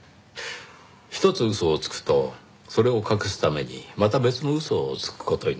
一つ嘘をつくとそれを隠すためにまた別の嘘をつく事になります。